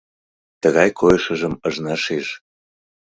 Тыгай койышыжым ыжна шиж.